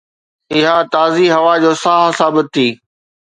اها تازي هوا جو ساهه ثابت ٿي